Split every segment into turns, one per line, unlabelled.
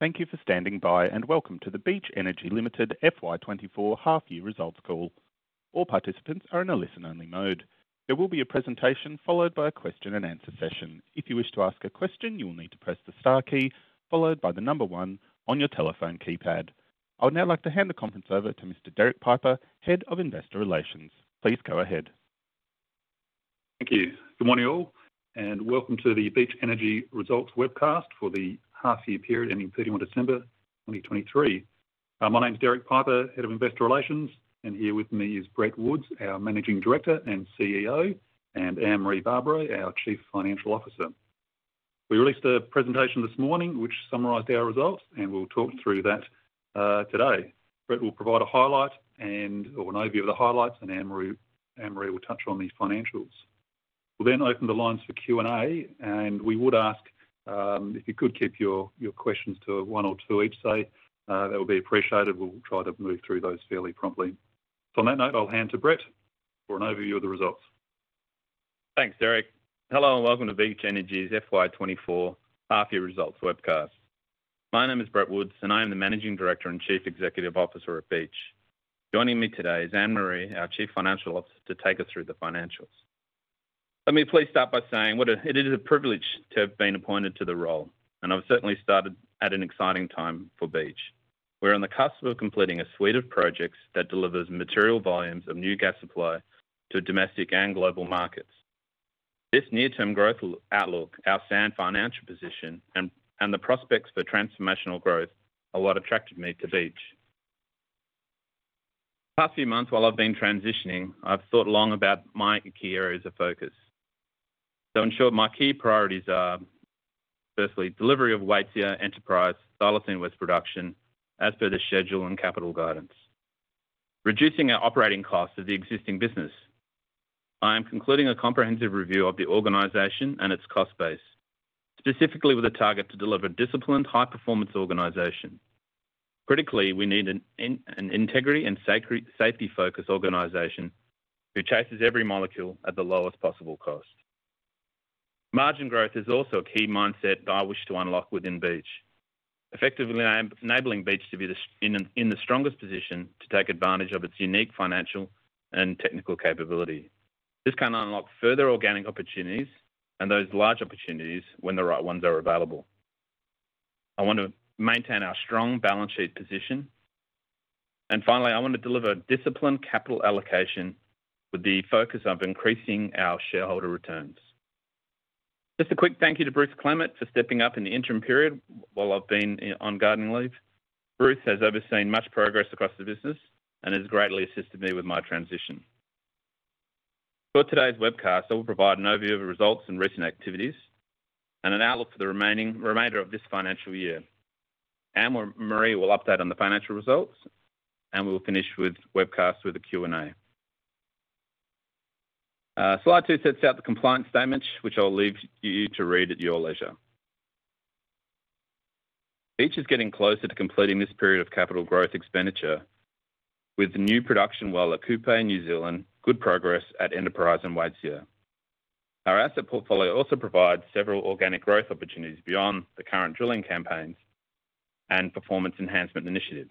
Thank you for standing by and welcome to the Beach Energy Limited Half Year Results Call. All participants are in a listen-only mode. There will be a presentation followed by a question and answer session. If you wish to ask a question, you will need to press the star key followed by the number one on your telephone keypad. I would now like to hand the conference over to Mr. Derek Piper, Head of Investor Relations. Please go ahead.
Thank you. Good morning all and welcome to the Beach Energy Results webcast for the half year period ending 31 December 2023. My name's Derek Piper, Head of Investor Relations, and here with me is Brett Woods, our Managing Director and CEO, and Anne-Marie Barbaro, our Chief Financial Officer. We released a presentation this morning which summarized our results and we'll talk through that today. Brett will provide a highlight and/or an overview of the highlights and Anne-Marie will touch on the financials. We'll then open the lines for Q&A and we would ask if you could keep your questions to one or two each, say. That would be appreciated. We'll try to move through those fairly promptly. So on that note, I'll hand to Brett for an overview of the results.
Thanks, Derek. Hello and welcome to Beach Energy's FY 2024 Half Year Results webcast. My name is Brett Woods and I am the Managing Director and Chief Executive Officer at Beach. Joining me today is Anne-Marie, our Chief Financial Officer, to take us through the financials. Let me please start by saying it is a privilege to have been appointed to the role and I've certainly started at an exciting time for Beach. We're on the cusp of completing a suite of projects that delivers material volumes of new gas supply to domestic and global markets. This near-term growth outlook, our sound financial position, and the prospects for transformational growth are what attracted me to Beach. The past few months while I've been transitioning, I've thought long about my key areas of focus. So in short, my key priorities are firstly, delivery of Waitsia, Enterprise, Thylacine West production as per the schedule and capital guidance. Reducing our operating costs of the existing business. I am concluding a comprehensive review of the organization and its cost base, specifically with a target to deliver disciplined, high-performance organization. Critically, we need an integrity and safety-focused organization who chases every molecule at the lowest possible cost. Margin growth is also a key mindset that I wish to unlock within Beach. Effectively enabling Beach to be in the strongest position to take advantage of its unique financial and technical capability. This can unlock further organic opportunities and those large opportunities when the right ones are available. I want to maintain our strong balance sheet position. And finally, I want to deliver disciplined capital allocation with the focus of increasing our shareholder returns. Just a quick thank you to Bruce Clement for stepping up in the interim period while I've been on gardening leave. Bruce has overseen much progress across the business and has greatly assisted me with my transition. For today's webcast, I will provide an overview of the results and recent activities and an outlook for the remainder of this financial year. Anne-Marie will update on the financial results and we will finish the webcast with a Q&A. Slide two sets out the compliance statement which I'll leave you to read at your leisure. Beach is getting closer to completing this period of capital growth expenditure with new production well at Kupe, New Zealand, good progress at Enterprise and Waitsia. Our asset portfolio also provides several organic growth opportunities beyond the current drilling campaigns and performance enhancement initiatives.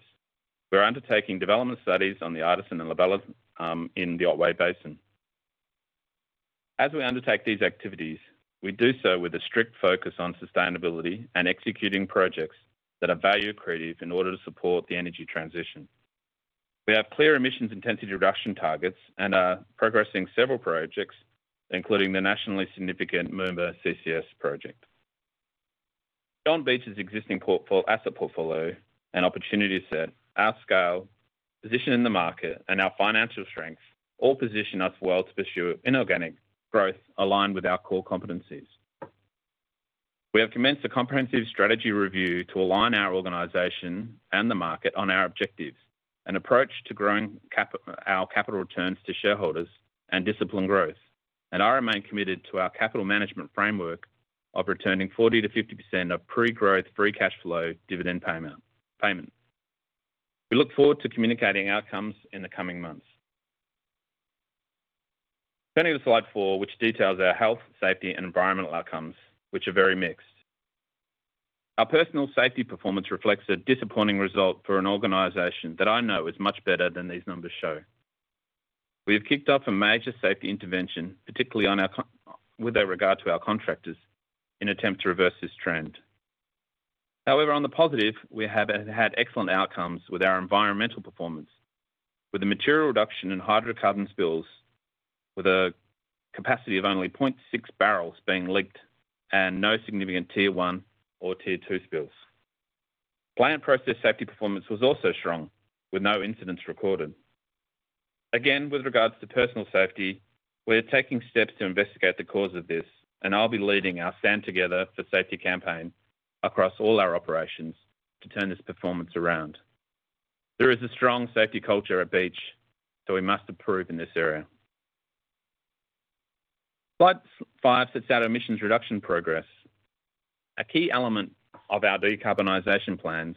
We're undertaking development studies on the Artisan and La Bella in the Otway Basin. As we undertake these activities, we do so with a strict focus on sustainability and executing projects that are value creative in order to support the energy transition. We have clear emissions intensity reduction targets and are progressing several projects including the nationally significant Moomba CCS Project. Beach's existing asset portfolio and opportunity set, our scale, position in the market, and our financial strengths all position us well to pursue inorganic growth aligned with our core competencies. We have commenced a comprehensive strategy review to align our organization and the market on our objectives, an approach to growing our capital returns to shareholders, and discipline growth. And I remain committed to our capital management framework of returning 40%-50% of pre-growth free cash flow dividend payment. We look forward to communicating outcomes in the coming months. Turning to slide four which details our health, safety, and environmental outcomes which are very mixed. Our personal safety performance reflects a disappointing result for an organization that I know is much better than these numbers show. We have kicked off a major safety intervention particularly with regard to our contractors in an attempt to reverse this trend. However, on the positive, we have had excellent outcomes with our environmental performance with a material reduction in hydrocarbon spills with a capacity of only 0.6 barrels being leaked and no significant Tier 1 or Tier 2 spills. Plant process safety performance was also strong with no incidents recorded. Again, with regard to personal safety, we're taking steps to investigate the cause of this and I'll be leading our Stand Together for Safety campaign across all our operations to turn this performance around. There is a strong safety culture at Beach so we must improve in this area. Slide five sets out emissions reduction progress. A key element of our decarbonization plans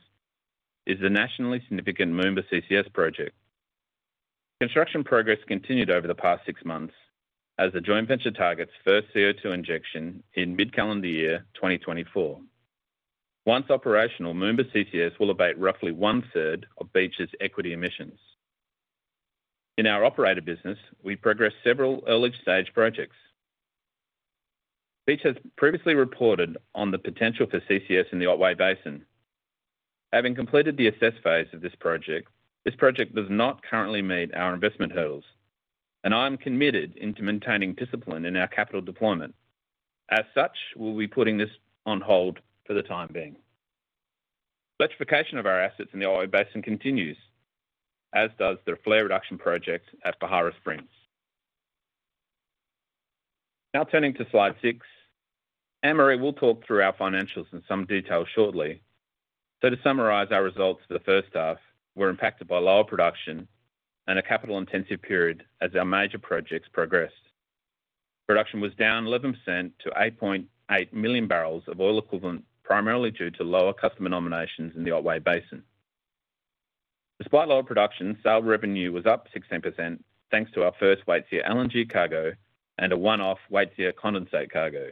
is the nationally significant Moomba CCS Project. Construction progress continued over the past 6 months as the joint venture targets first CO2 injection in mid-calendar year 2024. Once operational, Moomba CCS will abate roughly one-third of Beach's equity emissions. In our operator business, we progressed several early stage projects. Beach has previously reported on the potential for CCS in the Otway Basin. Having completed the assess phase of this project, this project does not currently meet our investment hurdles and I am committed to maintaining discipline in our capital deployment. As such, we'll be putting this on hold for the time being. Electrification of our assets in the Otway Basin continues as does the flare reduction project at Beharra Springs. Now turning to slide six. Anne-Marie will talk through our financials in some detail shortly. So to summarise our results for the first half, we're impacted by lower production and a capital-intensive period as our major projects progressed. Production was down 11% to 8.8 million barrels of oil equivalent primarily due to lower customer nominations in the Otway Basin. Despite lower production, sale revenue was up 16% thanks to our first Waitsia LNG cargo and a one-off Waitsia condensate cargo.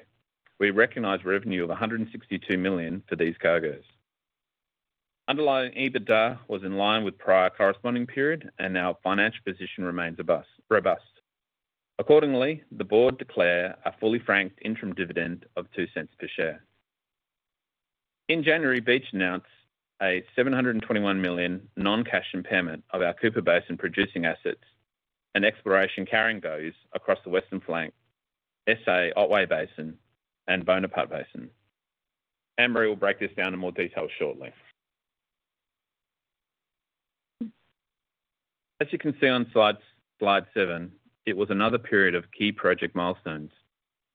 We recognise revenue of 162 million for these cargos. Underlying EBITDA was in line with prior corresponding period and our financial position remains robust. Accordingly, the board declare a fully franked interim dividend of 0.02 per share. In January, Beach announced a 721 million non-cash impairment of our Cooper Basin producing assets and exploration carrying values across the Western Flank, South Australian Otway Basin, and Bonaparte Basin. Anne-Marie will break this down in more detail shortly. As you can see on slide seven, it was another period of key project milestones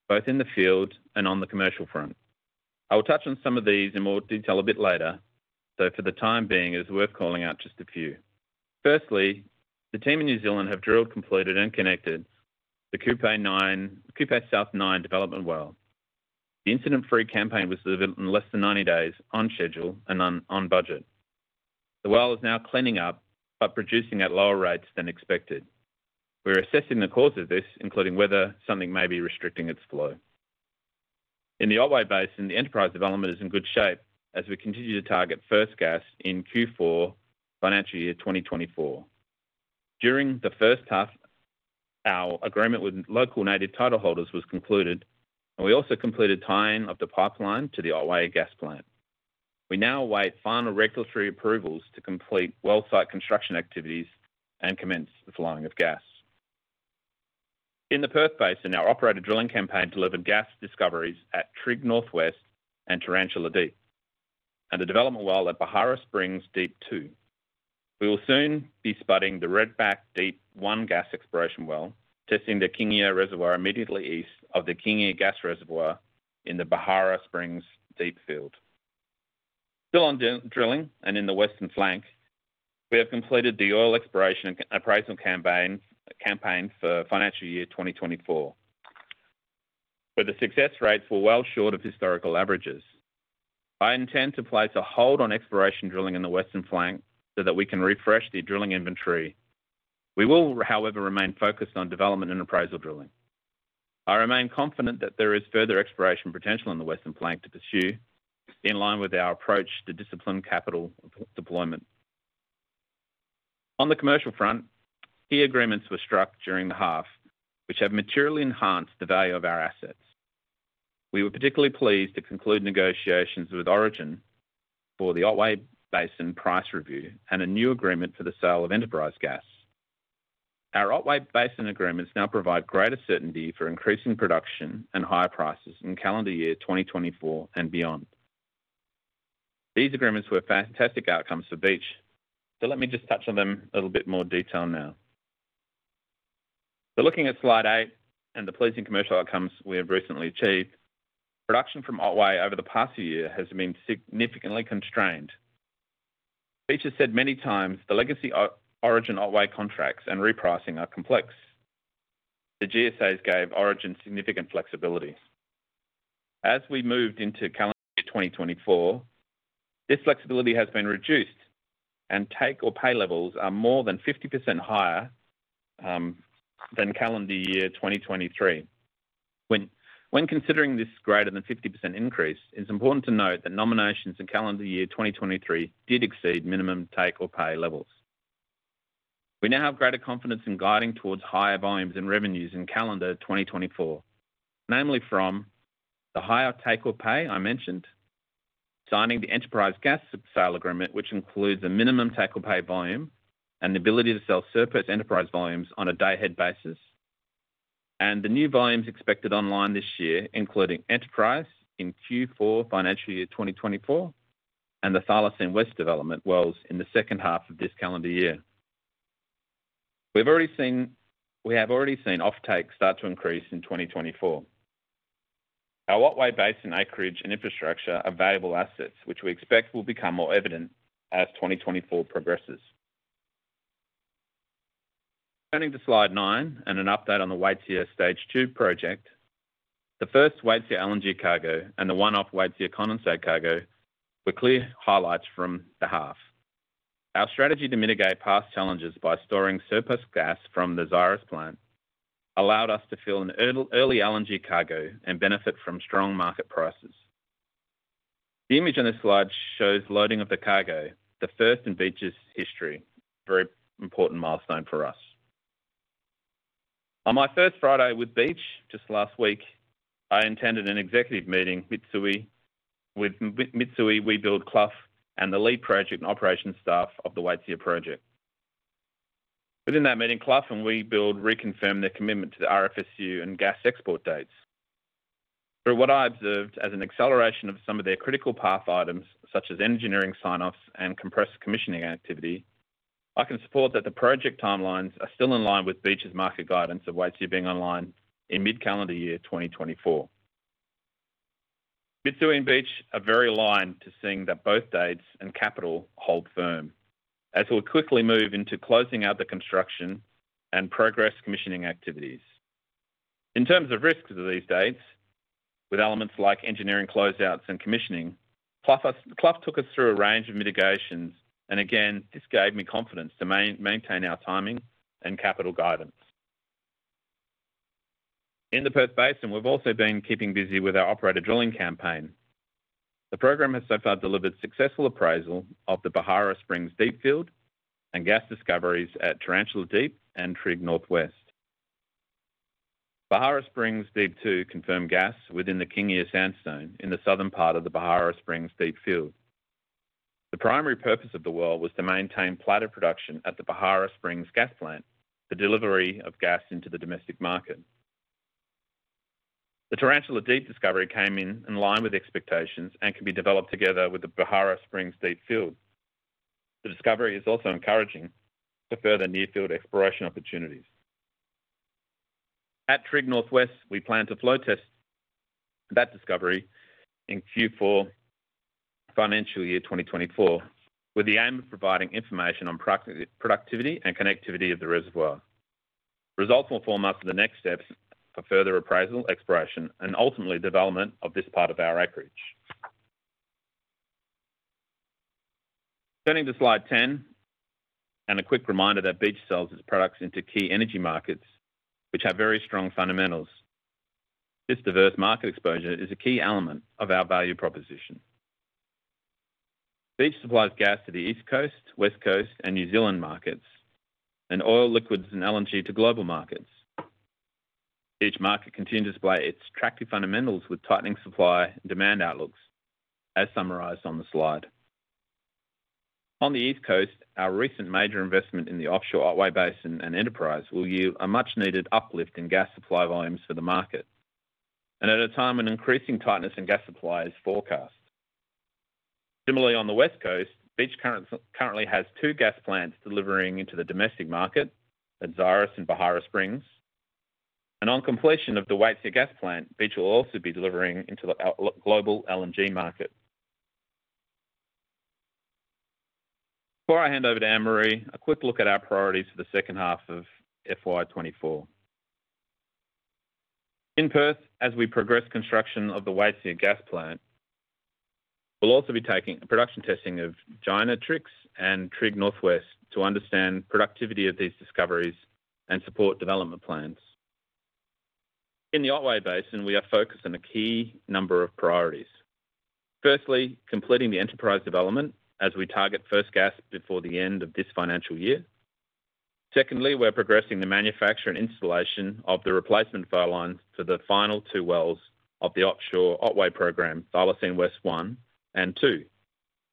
both in the field and on the commercial front. I will touch on some of these in more detail a bit later. For the time being, it is worth calling out just a few. Firstly, the team in New Zealand have drilled, completed, and connected the Kupe South 9 development well. The incident-free campaign was delivered in less than 90 days on schedule and on budget. The well is now cleaning up but producing at lower rates than expected. We're assessing the cause of this including whether something may be restricting its flow. In the Otway Basin, the Enterprise development is in good shape as we continue to target first gas in Q4 financial year 2024. During the first half, our agreement with local native titleholders was concluded and we also completed tying up the pipeline to the Otway Gas Plant. We now await final regulatory approvals to complete well site construction activities and commence the flowing of gas. In the Perth Basin, our operator drilling campaign delivered gas discoveries at Trigg Northwest and Tarantula Deep and the development well at Beharra Springs Deep-2. We will soon be spudding the Redback Deep - gas exploration well, testing the Kingia Reservoir immediately east of the Kingia Gas Reservoir in the Beharra Springs Deep field. Still on drilling and in the Western Flank, we have completed the oil exploration and appraisal campaign for financial year 2024. But the success rates were well short of historical averages. I intend to place a hold on exploration drilling in the Western Flank so that we can refresh the drilling inventory. We will, however, remain focused on development and appraisal drilling. I remain confident that there is further exploration potential in the Western Flank to pursue in line with our approach to disciplined capital deployment. On the commercial front, key agreements were struck during the half which have materially enhanced the value of our assets. We were particularly pleased to conclude negotiations with Origin for the Otway Basin price review and a new agreement for the sale of Enterprise gas. Our Otway Basin agreements now provide greater certainty for increasing production and higher prices in calendar year 2024 and beyond. These agreements were fantastic outcomes for Beach. So let me just touch on them a little bit more detail now. So looking at slide 8 and the pleasing commercial outcomes we have recently achieved, production from Otway over the past year has been significantly constrained. Beach has said many times the legacy Origin Otway contracts and repricing are complex. The GSAs gave Origin significant flexibility. As we moved into calendar year 2024, this flexibility has been reduced and take or pay levels are more than 50% higher than calendar year 2023. When considering this greater than 50% increase, it's important to note that nominations in calendar year 2023 did exceed minimum take or pay levels. We now have greater confidence in guiding towards higher volumes and revenues in calendar 2024, namely from the higher take or pay I mentioned, signing the Enterprise Gas sale agreement which includes a minimum take or pay volume and the ability to sell surplus Enterprise volumes on a day-ahead basis. And the new volumes expected online this year including Enterprise in Q4 financial year 2024 and the Thylacine West development wells in the second half of this calendar year. We have already seen offtake start to increase in 2024. Our Otway Basin acreage and infrastructure are valuable assets which we expect will become more evident as 2024 progresses. Turning to slide nine and an update on the Waitsia Stage 2 project. The first Waitsia LNG cargo and the one-off Waitsia condensate cargo were clear highlights from the half. Our strategy to mitigate past challenges by storing surplus gas from the Xyris Plant allowed us to fill an early LNG cargo and benefit from strong market prices. The image on this slide shows loading of the cargo, the first in Beach's history, very important milestone for us. On my first Friday with Beach just last week, I attended an executive meeting with Mitsui, Webuild, Clough and the lead project and operations staff of the Waitsia project. Within that meeting, Clough and Webuild reconfirmed their commitment to the RFSU and gas export dates. Through what I observed as an acceleration of some of their critical path items such as engineering sign-offs and compressed commissioning activity, I can support that the project timelines are still in line with Beach's market guidance of Waitsia being online in mid-calendar year 2024. Mitsui and Beach are very aligned to seeing that both dates and capital hold firm as we'll quickly move into closing out the construction and progress commissioning activities. In terms of risks of these dates, with elements like engineering closeouts and commissioning, Clough took us through a range of mitigations and again this gave me confidence to maintain our timing and capital guidance. In the Perth Basin, we've also been keeping busy with our operator drilling campaign. The program has so far delivered successful appraisal of the Beharra Springs Deep field and gas discoveries at Tarantula Deep and Trigg Northwest. Beharra Springs Deep-2 confirmed gas within the Kingia sandstone in the southern part of the Beharra Springs Deep field. The primary purpose of the well was to maintain plateau production at the Beharra Springs Gas Plant, the delivery of gas into the domestic market. The Tarantula Deep discovery came in in line with expectations and can be developed together with the Beharra Springs Deep field. The discovery is also encouraging for further near-field exploration opportunities. At Trigg Northwest, we plan to flow test that discovery in Q4 financial year 2024 with the aim of providing information on productivity and connectivity of the reservoir. Results will inform us for the next steps for further appraisal, exploration, and ultimately development of this part of our acreage. Turning to slide 10 and a quick reminder that Beach sells its products into key energy markets which have very strong fundamentals. This diverse market exposure is a key element of our value proposition. Beach supplies gas to the East Coast, West Coast, and New Zealand markets and oil, liquids, and LNG to global markets. Each market continues to display its attractive fundamentals with tightening supply and demand outlooks as summarized on the slide. On the East Coast, our recent major investment in the offshore Otway Basin and Enterprise will yield a much-needed uplift in gas supply volumes for the market and at a time when increasing tightness in gas supply is forecast. Similarly, on the West Coast, Beach currently has two gas plants delivering into the domestic market at Xyris and Beharra Springs. On completion of the Waitsia Gas Plant, Beach will also be delivering into the global LNG market. Before I hand over to Anne-Marie, a quick look at our priorities for the second half of FY 2024. In Perth, as we progress construction of the Waitsia Gas Plant, we'll also be taking a production testing of Gynatrix and Trigg Northwest to understand productivity of these discoveries and support development plans. In the Otway Basin, we are focused on a key number of priorities. Firstly, completing the Enterprise development as we target first gas before the end of this financial year. Secondly, we're progressing the manufacture and installation of the replacement flowlines for the final two wells of the offshore Otway program, Thylacine West 1 and 2,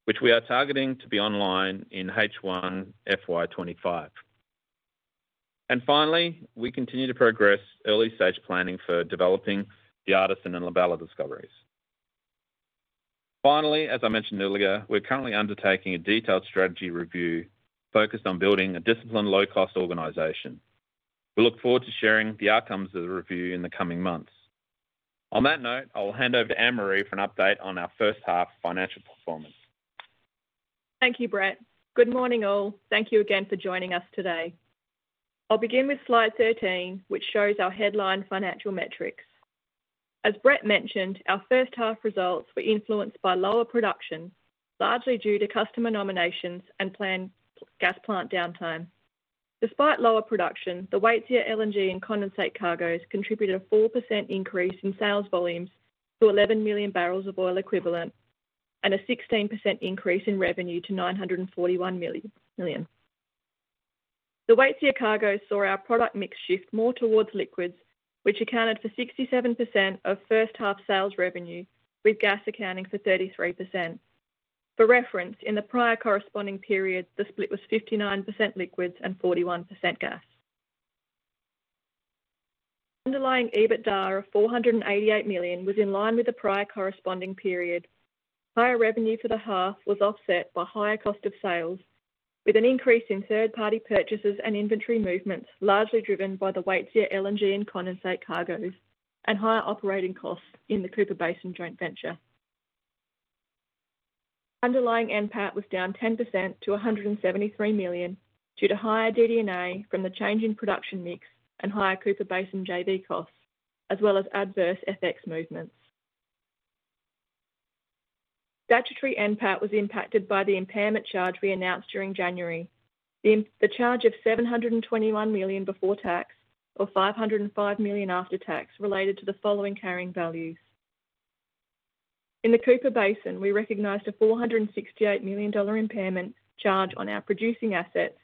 which we are targeting to be online in H1 FY 2025. And finally, we continue to progress early stage planning for developing the Artisan and La Bella discoveries. Finally, as I mentioned earlier, we're currently undertaking a detailed strategy review focused on building a disciplined, low-cost organization. We look forward to sharing the outcomes of the review in the coming months. On that note, I'll hand over to Anne-Marie for an update on our first half financial performance.
Thank you, Brett. Good morning all. Thank you again for joining us today. I'll begin with slide 13 which shows our headline financial metrics. As Brett mentioned, our first half results were influenced by lower production largely due to customer nominations and planned gas plant downtime. Despite lower production, the Waitsia LNG and condensate cargoes contributed a 4% increase in sales volumes to 11 million barrels of oil equivalent and a 16% increase in revenue to 941 million. The Waitsia cargoes saw our product mix shift more towards liquids which accounted for 67% of first half sales revenue with gas accounting for 33%. For reference, in the prior corresponding period, the split was 59% liquids and 41% gas. Underlying EBITDA of 488 million was in line with the prior corresponding period. Higher revenue for the half was offset by higher cost of sales with an increase in third-party purchases and inventory movements largely driven by the Waitsia LNG and condensate cargoes and higher operating costs in the Cooper Basin joint venture. Underlying NPAT was down 10% to 173 million due to higher DD&A from the changing production mix and higher Cooper Basin JV costs as well as adverse FX movements. Statutory NPAT was impacted by the impairment charge we announced during January, the charge of 721 million before tax or 505 million after tax related to the following carrying values. In the Cooper Basin, we recognized an 468 million dollar impairment charge on our producing assets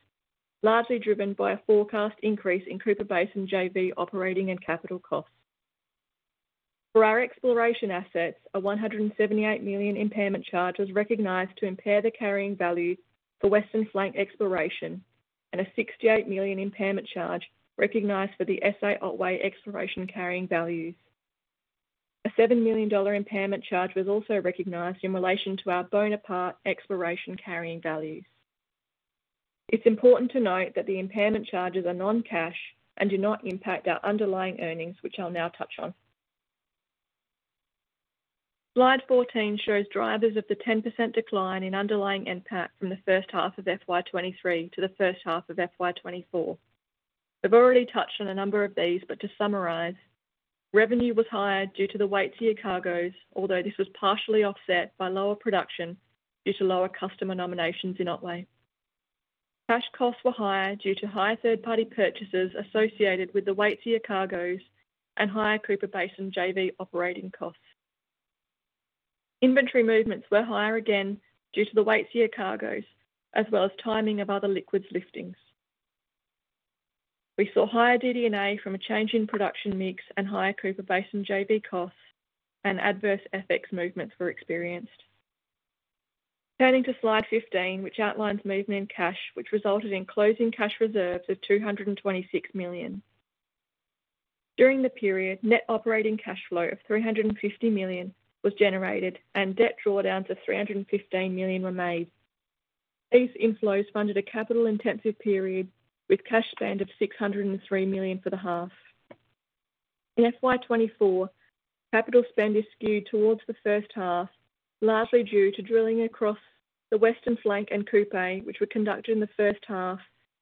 largely driven by a forecast increase in Cooper Basin JV operating and capital costs. For our exploration assets, an 178 million impairment charge was recognized to impair the carrying value for Western Flank exploration and an 68 million impairment charge recognized for the SA Otway exploration carrying values. An 7 million dollar impairment charge was also recognized in relation to our Bonaparte exploration carrying values. It's important to note that the impairment charges are non-cash and do not impact our underlying earnings which I'll now touch on. Slide 14 shows drivers of the 10% decline in underlying NPAT from the first half of FY 2023 to the first half of FY 2024. I've already touched on a number of these but to summarize, revenue was higher due to the Waitsia cargoes although this was partially offset by lower production due to lower customer nominations in Otway. Cash costs were higher due to higher third-party purchases associated with the Waitsia cargoes and higher Cooper Basin JV operating costs. Inventory movements were higher again due to the Waitsia cargoes as well as timing of other liquids liftings. We saw higher DD&A from a changing production mix and higher Cooper Basin JV costs and adverse FX movements were experienced. Turning to slide 15 which outlines movement in cash which resulted in closing cash reserves of 226 million. During the period, net operating cash flow of 350 million was generated and debt drawdowns of 315 million were made. These inflows funded a capital-intensive period with cash spend of 603 million for the half. In FY 2024, capital spend is skewed towards the first half largely due to drilling across the Western Flank and Cooper which were conducted in the first half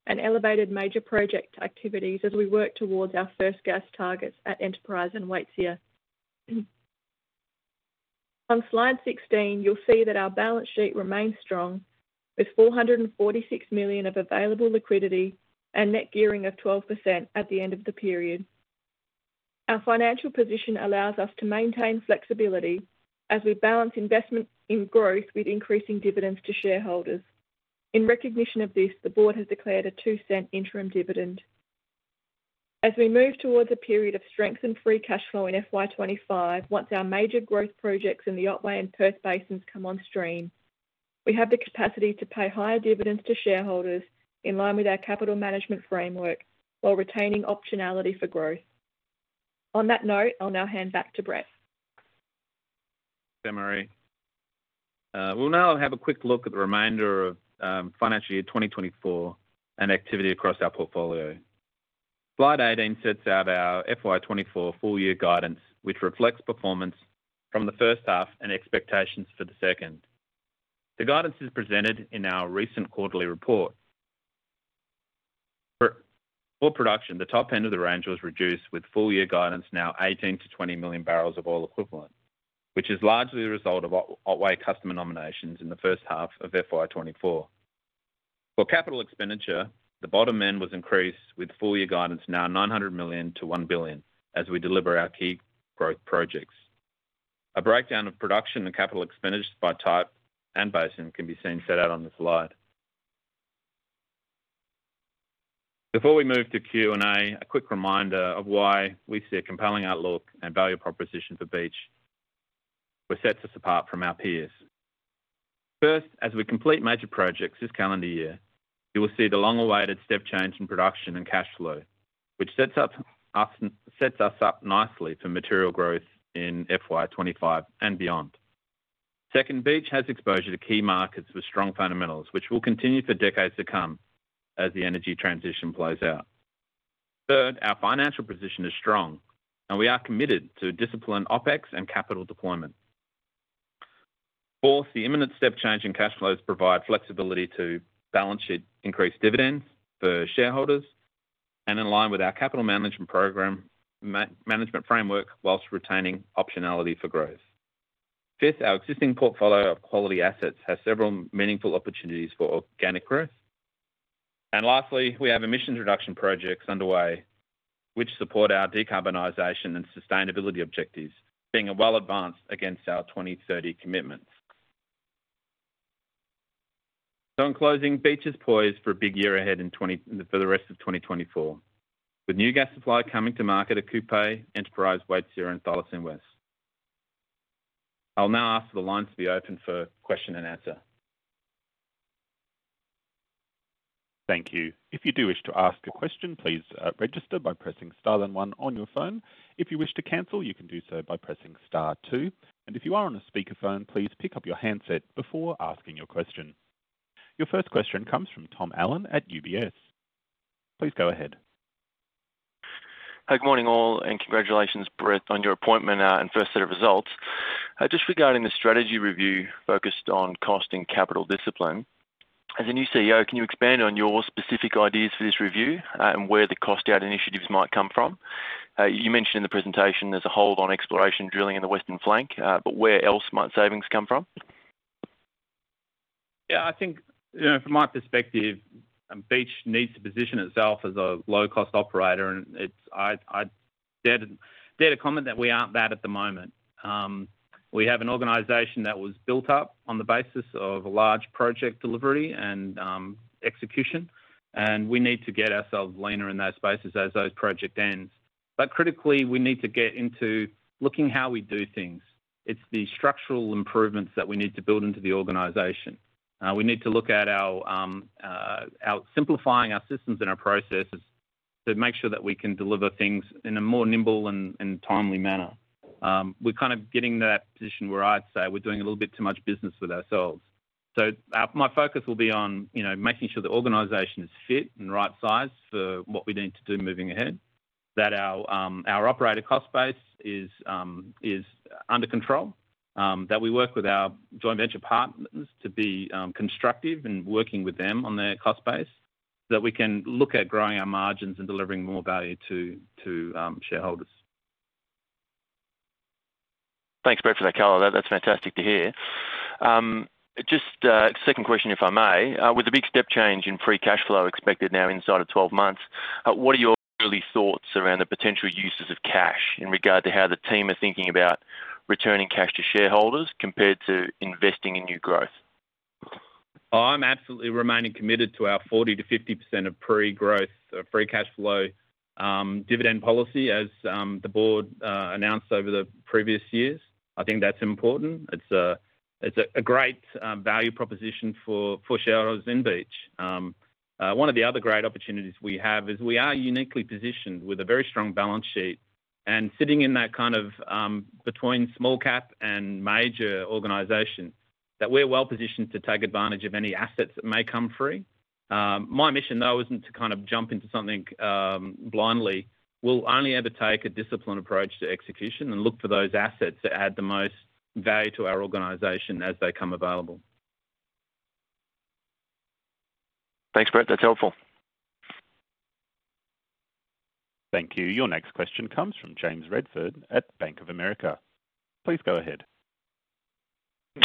and elevated major project activities as we worked towards our first gas targets at Enterprise and Waitsia. On slide 16, you'll see that our balance sheet remains strong with 446 million of available liquidity and net gearing of 12% at the end of the period. Our financial position allows us to maintain flexibility as we balance investment in growth with increasing dividends to shareholders. In recognition of this, the board has declared a 0.02 interim dividend. As we move towards a period of strengthened free cash flow in FY 2025 once our major growth projects in the Otway and Perth Basins come on stream, we have the capacity to pay higher dividends to shareholders in line with our capital management framework while retaining optionality for growth. On that note, I'll now hand back to Brett.
Thanks, Anne-Marie. We'll now have a quick look at the remainder of financial year 2024 and activity across our portfolio. Slide 18 sets out our FY 2024 full year guidance which reflects performance from the first half and expectations for the second. The guidance is presented in our recent quarterly report. For production, the top end of the range was reduced with full year guidance now 18-20 million barrels of oil equivalent which is largely the result of Otway customer nominations in the first half of FY 2024. For capital expenditure, the bottom end was increased with full year guidance now 900 million-1 billion as we deliver our key growth projects. A breakdown of production and capital expenditure by type and basin can be seen set out on the slide. Before we move to Q&A, a quick reminder of why we see a compelling outlook and value proposition for Beach. We're set apart from our peers. First, as we complete major projects this calendar year, you will see the long-awaited step change in production and cash flow which sets us up nicely for material growth in FY 2025 and beyond. Second, Beach has exposure to key markets with strong fundamentals which will continue for decades to come as the energy transition plays out. Third, our financial position is strong and we are committed to disciplined OpEx and capital deployment. Fourth, the imminent step change in cash flows provides flexibility to balance sheet increase dividends for shareholders and in line with our capital management framework while retaining optionality for growth. Fifth, our existing portfolio of quality assets has several meaningful opportunities for organic growth. Lastly, we have emissions reduction projects underway which support our decarbonization and sustainability objectives being well advanced against our 2030 commitments. In closing, Beach is poised for a big year ahead for the rest of 2024 with new gas supply coming to market at Kupe, Enterprise, Waitsia, and Thylacine West. I'll now ask for the lines to be open for question and answer.
Thank you. If you do wish to ask a question, please register by pressing star then one on your phone. If you wish to cancel, you can do so by pressing star two. And if you are on a speakerphone, please pick up your handset before asking your question. Your first question comes from Tom Allen at UBS. Please go ahead.
Good morning all and congratulations, Brett, on your appointment and first set of results. Just regarding the strategy review focused on cost and capital discipline, as a new CEO, can you expand on your specific ideas for this review and where the cost out initiatives might come from? You mentioned in the presentation there's a hold on exploration drilling in the Western Flank but where else might savings come from?
Yeah. I think from my perspective, Beach needs to position itself as a low-cost operator and I dare to comment that we aren't that at the moment. We have an organization that was built up on the basis of a large project delivery and execution and we need to get ourselves leaner in those spaces as those project ends. But critically, we need to get into looking how we do things. It's the structural improvements that we need to build into the organization. We need to look at simplifying our systems and our processes to make sure that we can deliver things in a more nimble and timely manner. We're kind of getting to that position where I'd say we're doing a little bit too much business with ourselves. So my focus will be on making sure the organization is fit and right size for what we need to do moving ahead, that our operator cost base is under control, that we work with our joint venture partners to be constructive in working with them on their cost base so that we can look at growing our margins and delivering more value to shareholders.
Thanks, Brett, for that color. That's fantastic to hear. Just second question if I may. With the big step change in free cash flow expected now inside of 12 months, what are your early thoughts around the potential uses of cash in regard to how the team are thinking about returning cash to shareholders compared to investing in new growth?
I'm absolutely remaining committed to our 40%-50% of pre-growth free cash flow dividend policy as the board announced over the previous years. I think that's important. It's a great value proposition for shareholders in Beach. One of the other great opportunities we have is we are uniquely positioned with a very strong balance sheet and sitting in that kind of between small-cap and major organization that we're well positioned to take advantage of any assets that may come free. My mission, though, isn't to kind of jump into something blindly. We'll only ever take a disciplined approach to execution and look for those assets that add the most value to our organization as they come available.
Thanks, Brett. That's helpful.
Thank you. Your next question comes from James Redfern at Bank of America. Please go ahead.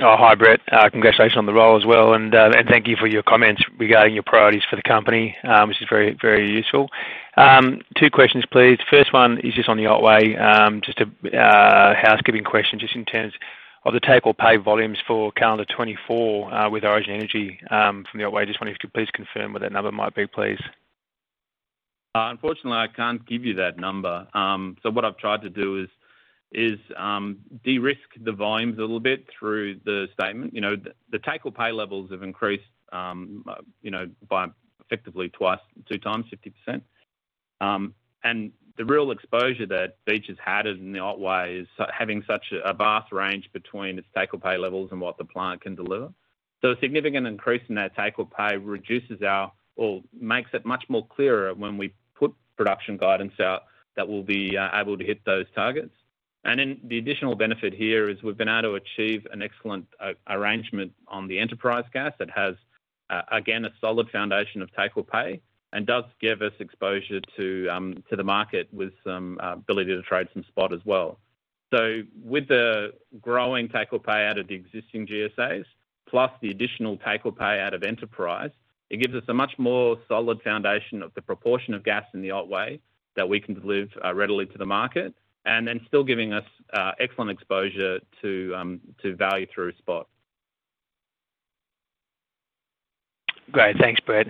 Hi, Brett. Congratulations on the role as well and thank you for your comments regarding your priorities for the company which is very, very useful. Two questions, please. First one is just on the Otway, just a housekeeping question just in terms of the take-or-pay volumes for calendar 2024 with Origin Energy from the Otway. Just wanted you to please confirm what that number might be, please.
Unfortunately, I can't give you that number. So what I've tried to do is de-risk the volumes a little bit through the statement. The take-or-pay levels have increased by effectively two times, 50%. And the real exposure that Beach has had in the Otway is having such a vast range between its take-or-pay levels and what the plant can deliver. So a significant increase in that take-or-pay reduces our or makes it much more clearer when we put production guidance out that we'll be able to hit those targets. And then the additional benefit here is we've been able to achieve an excellent arrangement on the Enterprise gas that has, again, a solid foundation of take-or-pay and does give us exposure to the market with some ability to trade some spot as well. So with the growing take-or-pay out of the existing GSAs plus the additional take-or-pay out of Enterprise, it gives us a much more solid foundation of the proportion of gas in the Otway that we can deliver readily to the market and then still giving us excellent exposure to value through spot.
Great. Thanks, Brett.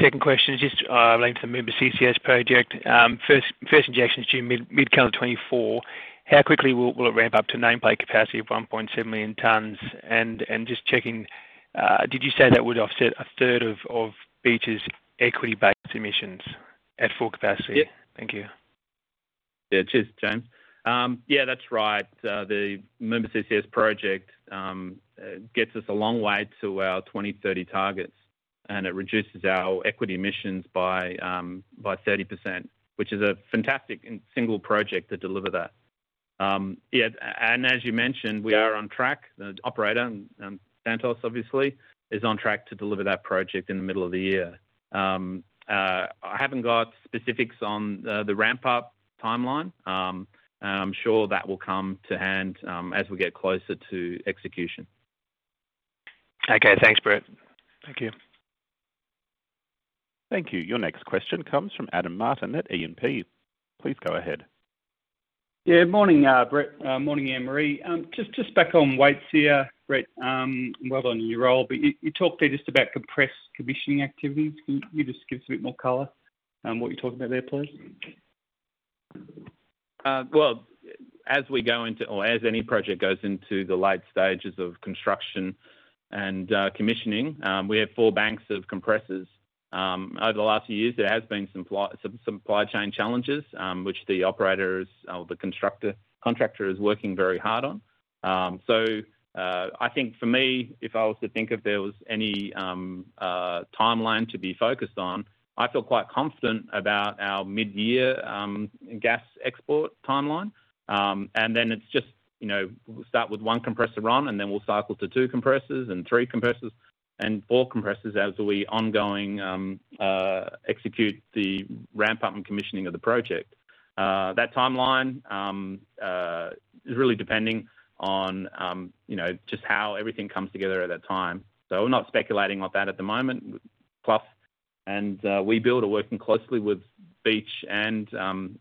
Second question is just relating to the Moomba CCS Project. First injection is due mid-calendar 2024. How quickly will it ramp up to nameplate capacity of 1.7 million tonnes? And just checking, did you say that would offset a third of Beach's equity-based emissions at full capacity? Thank you.
Yeah. Cheers, James. Yeah, that's right. The Moomba CCS Project gets us a long way to our 2030 targets and it reduces our equity emissions by 30% which is a fantastic single project to deliver that. Yeah. And as you mentioned, we are on track. The operator, Santos, obviously, is on track to deliver that project in the middle of the year. I haven't got specifics on the ramp-up timeline and I'm sure that will come to hand as we get closer to execution.
Okay. Thanks, Brett.
Thank you.
Thank you. Your next question comes from Adam Martin at E&P. Please go ahead.
Yeah. Good morning, Brett. Good morning, Anne-Marie. Just back on Waitsia, Brett. Well done on your role. But you talked there just about compressed commissioning activities. Can you just give us a bit more color on what you're talking about there, please?
Well, as we go into or as any project goes into the late stages of construction and commissioning, we have four banks of compressors. Over the last few years, there have been some supply chain challenges which the operator or the contractor is working very hard on. So I think for me, if I was to think of there was any timeline to be focused on, I feel quite confident about our mid-year gas export timeline. And then it's just we'll start with 1 compressor run and then we'll cycle to two compressors and three compressors and four compressors as we ongoing execute the ramp-up and commissioning of the project. That timeline is really depending on just how everything comes together at that time. So we're not speculating on that at the moment. Webuild are working closely with Beach and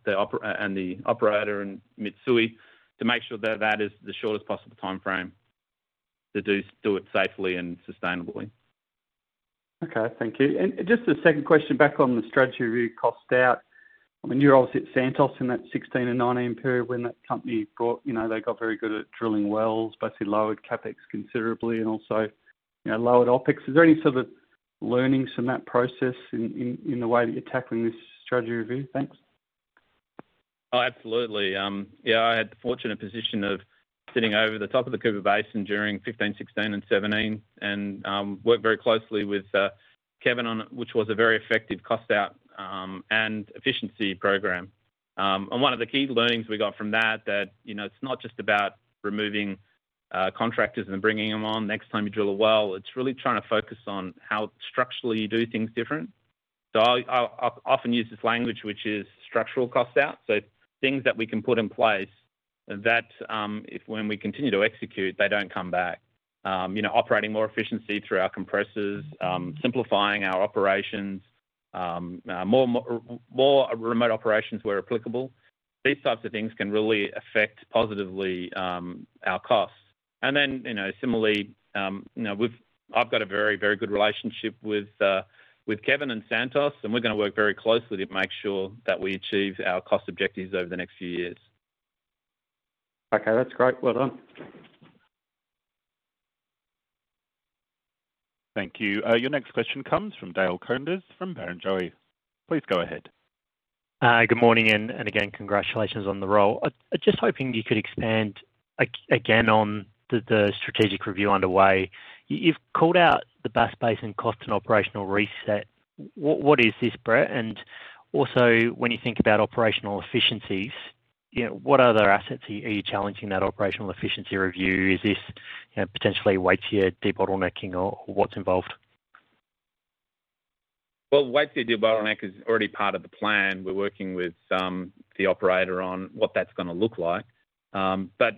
the operator and Mitsui to make sure that that is the shortest possible timeframe to do it safely and sustainably.
Okay. Thank you. Just the second question, back on the strategy review cost out. I mean, you're obviously at Santos in that 2016 and 2019 period when that company but they got very good at drilling wells, basically lowered CAPEX considerably and also lowered OPEX. Is there any sort of learnings from that process in the way that you're tackling this strategy review? Thanks.
Absolutely. Yeah. I had the fortunate position of sitting over the top of the Cooper Basin during 2015, 2016, and 2017 and worked very closely with Kevin on which was a very effective cost out and efficiency program. One of the key learnings we got from that, it's not just about removing contractors and bringing them on next time you drill a well. It's really trying to focus on how structurally you do things different. So I often use this language which is structural cost out. So things that we can put in place that when we continue to execute, they don't come back. Operating more efficiency through our compressors, simplifying our operations, more remote operations where applicable, these types of things can really affect positively our costs. And then similarly, I've got a very, very good relationship with Kevin and Santos and we're going to work very closely to make sure that we achieve our cost objectives over the next few years.
Okay. That's great. Well done.
Thank you. Your next question comes from Dale Koenders from Barrenjoey. Please go ahead. Good morning.
Again, congratulations on the role. Just hoping you could expand again on the strategic review underway. You've called out the Bass Basin cost and operational reset. What is this, Brett? And also when you think about operational efficiencies, what other assets are you challenging that operational efficiency review? Is this potentially Waitsia debottlenecking or what's involved?
Well, Waitsia debottleneck is already part of the plan. We're working with the operator on what that's going to look like. But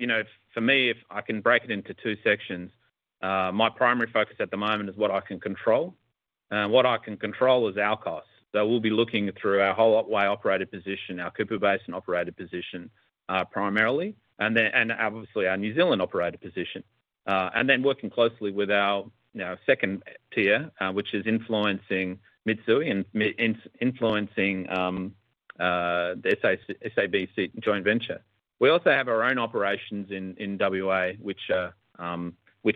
for me, if I can break it into two sections, my primary focus at the moment is what I can control. What I can control is our costs. So we'll be looking through our whole Otway operator position, our Cooper Basin operator position primarily, and obviously our New Zealand operator position. And then working closely with our second tier which is influencing Mitsui and influencing the Santos joint venture. We also have our own operations in WA which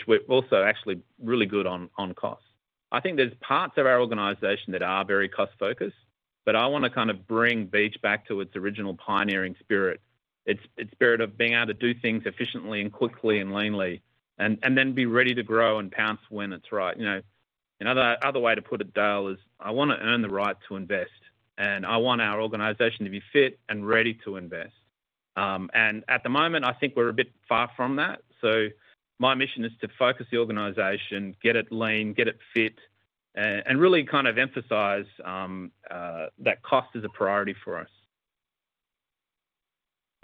we're also actually really good on costs. I think there's parts of our organization that are very cost-focused but I want to kind of bring Beach back to its original pioneering spirit, its spirit of being able to do things efficiently and quickly and leanly and then be ready to grow and pounce when it's right. Another way to put it, Dale, is I want to earn the right to invest and I want our organization to be fit and ready to invest. And at the moment, I think we're a bit far from that. So my mission is to focus the organization, get it lean, get it fit, and really kind of emphasize that cost is a priority for us.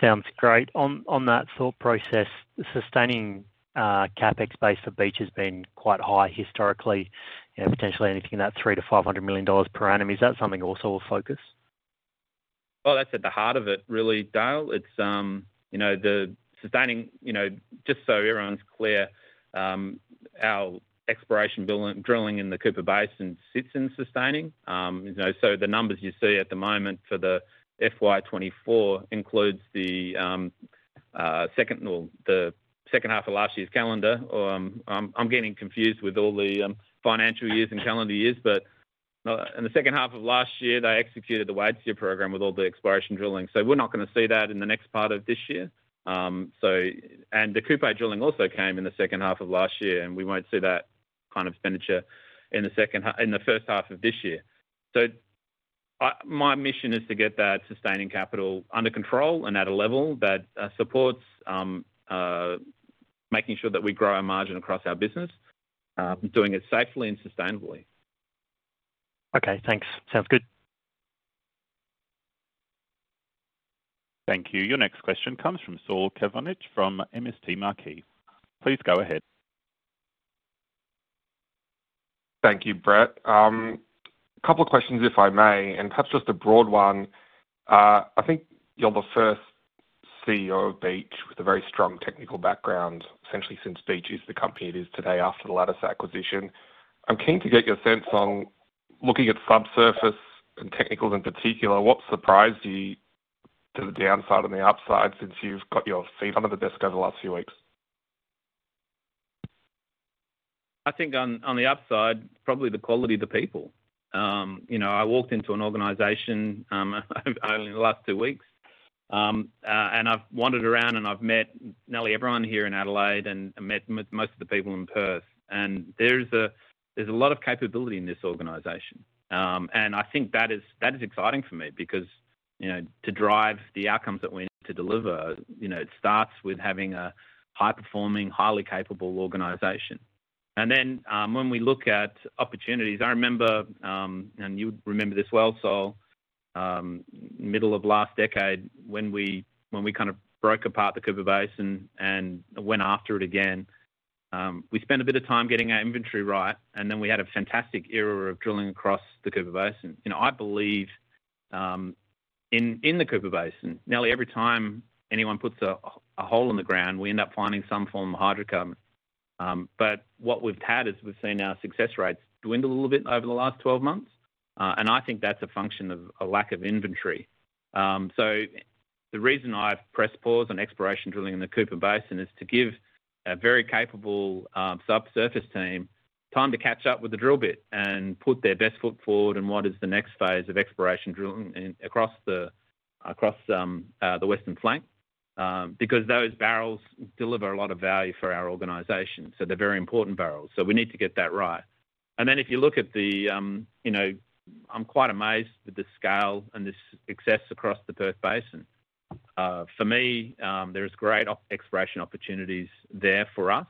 Sounds great. On that thought process, sustaining CapEx base for Beach has been quite high historically, potentially anything in that 3 million-500 million dollars per annum. Is that something also we'll focus?
Well, that's at the heart of it really, Dale. It's the sustaining just so everyone's clear, our exploration drilling in the Cooper Basin sits in sustaining. So the numbers you see at the moment for the FY 2024 includes the second half of last year's calendar. I'm getting confused with all the financial years and calendar years. But in the second half of last year, they executed the Waitsia program with all the exploration drilling. So we're not going to see that in the next part of this year. And the Cooper drilling also came in the second half of last year and we won't see that kind of expenditure in the first half of this year. So my mission is to get that sustaining capital under control and at a level that supports making sure that we grow our margin across our business, doing it safely and sustainably.
Okay. Thanks. Sounds good.
Thank you. Your next question comes from Saul Kavonic from MST Marquee. Please go ahead.
Thank you, Brett. A couple of questions if I may and perhaps just a broad one. I think you're the first CEO of Beach with a very strong technical background essentially since Beach is the company it is today after the Lattice acquisition. I'm keen to get your sense on looking at subsurface and technicals in particular, what surprised you to the downside and the upside since you've got your feet under the desk over the last few weeks?
I think on the upside, probably the quality of the people. I walked into an organization only in the last two weeks and I've wandered around and I've met nearly everyone here in Adelaide and met most of the people in Perth. There's a lot of capability in this organization. I think that is exciting for me because to drive the outcomes that we need to deliver, it starts with having a high-performing, highly capable organization. Then when we look at opportunities, I remember and you would remember this well, Saul, middle of last decade when we kind of broke apart the Cooper Basin and went after it again, we spent a bit of time getting our inventory right and then we had a fantastic era of drilling across the Cooper Basin. I believe in the Cooper Basin, nearly every time anyone puts a hole in the ground, we end up finding some form of hydrocarbon. But what we've had is we've seen our success rates dwindle a little bit over the last 12 months and I think that's a function of a lack of inventory. So the reason I've pressed pause on exploration drilling in the Cooper Basin is to give a very capable subsurface team time to catch up with the drill bit and put their best foot forward in what is the next phase of exploration drilling across the Western Flank because those barrels deliver a lot of value for our organization. So they're very important barrels. So we need to get that right. And then if you look at, I'm quite amazed with the scale and this excess across the Perth Basin. For me, there's great exploration opportunities there for us.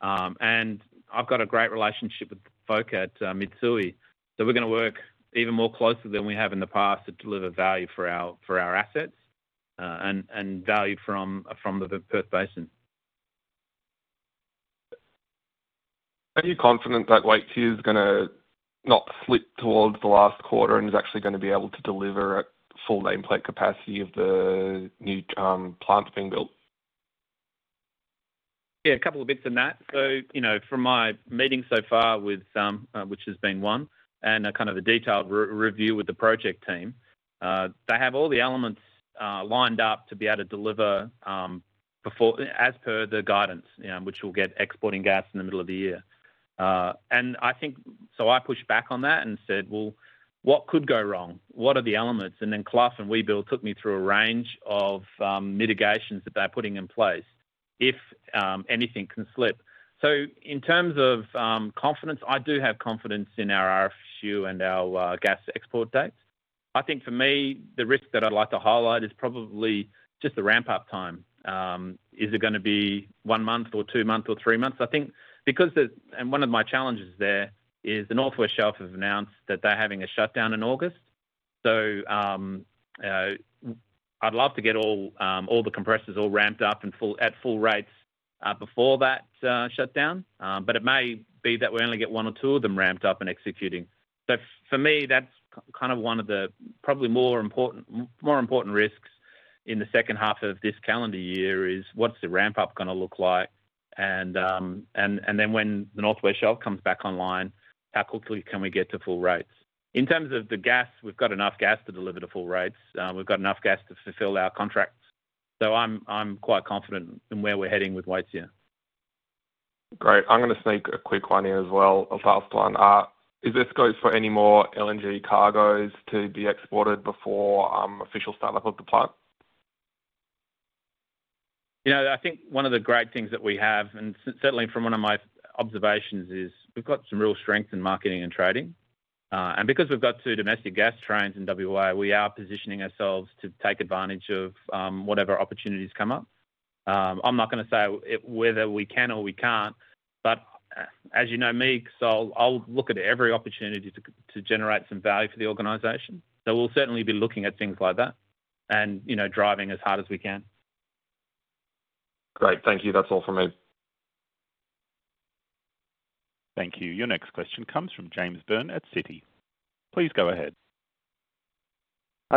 And I've got a great relationship with the folk at Mitsui. So we're going to work even more closely than we have in the past to deliver value for our assets and value from the Perth Basin.
Are you confident that Waitsia is going to not slip towards the last quarter and is actually going to be able to deliver at full nameplate capacity of the new plant being built?
Yeah. A couple of bits in that. So from my meeting so far with which has been one and kind of a detailed review with the project team, they have all the elements lined up to be able to deliver as per the guidance which will get exporting gas in the middle of the year. And I think so I pushed back on that and said, "Well, what could go wrong? “What are the elements?” And then Clough and Webuild took me through a range of mitigations that they’re putting in place if anything can slip. So in terms of confidence, I do have confidence in our RFQ and our gas export dates. I think for me, the risk that I’d like to highlight is probably just the ramp-up time. Is it going to be one month or two months or three months? I think because one of my challenges there is the North West Shelf have announced that they’re having a shutdown in August. So I’d love to get all the compressors all ramped up at full rates before that shutdown. But it may be that we only get one or two of them ramped up and executing. So for me, that's kind of one of the probably more important risks in the second half of this calendar year: what's the ramp-up going to look like? And then when the North West Shelf comes back online, how quickly can we get to full rates? In terms of the gas, we've got enough gas to deliver to full rates. We've got enough gas to fulfill our contracts. So I'm quite confident in where we're heading with Waitsia.
Great. I'm going to sneak a quick one in as well, a fast one. Is there any more LNG cargoes to be exported before official startup of the plant?
I think one of the great things that we have, and certainly from one of my observations, is we've got some real strength in marketing and trading. And because we've got two domestic gas trains in WA, we are positioning ourselves to take advantage of whatever opportunities come up. I'm not going to say whether we can or we can't. But as you know me, Saul, I'll look at every opportunity to generate some value for the organization. So we'll certainly be looking at things like that and driving as hard as we can.
Great. Thank you. That's all from me.
Thank you. Your next question comes from James Byrne at Citi. Please go ahead.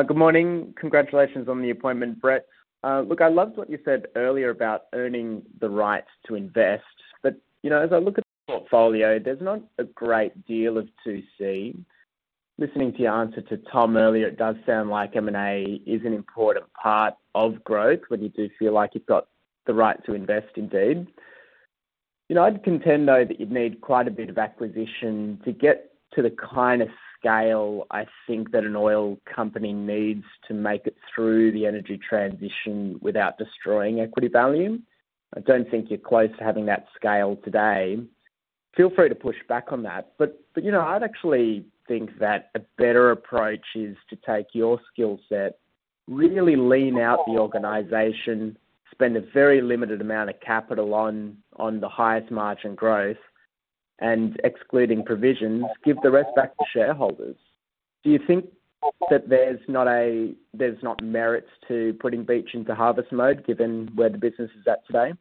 Good morning. Congratulations on the appointment, Brett. Look, I loved what you said earlier about earning the right to invest. But as I look at the portfolio, there's not a great deal of 2C. Listening to your answer to Tom earlier, it does sound like M&A is an important part of growth when you do feel like you've got the right to invest indeed. I'd contend though that you'd need quite a bit of acquisition to get to the kind of scale I think that an oil company needs to make it through the energy transition without destroying equity value. I don't think you're close to having that scale today. Feel free to push back on that. But I'd actually think that a better approach is to take your skill set, really lean out the organization, spend a very limited amount of capital on the highest margin growth and excluding provisions, give the rest back to shareholders. Do you think that there's not merits to putting Beach into harvest mode given where the business is at today?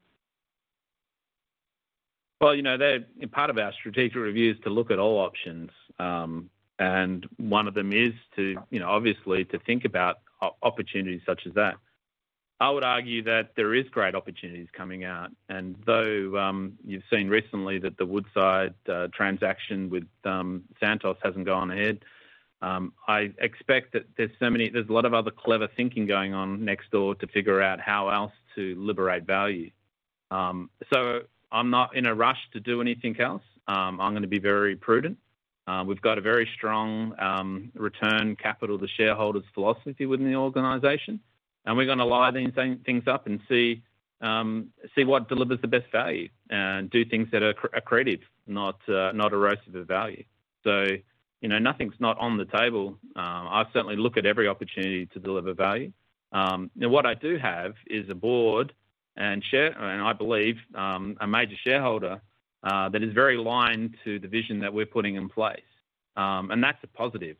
Well, they're part of our strategic reviews to look at all options. And one of them is obviously to think about opportunities such as that. I would argue that there is great opportunities coming out. And though you've seen recently that the Woodside transaction with Santos hasn't gone ahead, I expect that there's a lot of other clever thinking going on next door to figure out how else to liberate value. So I'm not in a rush to do anything else. I'm going to be very prudent. We've got a very strong return capital to shareholders philosophy within the organization. And we're going to line these things up and see what delivers the best value and do things that are creative, not erosive of value. So nothing's not on the table. I certainly look at every opportunity to deliver value. Now, what I do have is a board and I believe a major shareholder that is very aligned to the vision that we're putting in place. That's a positive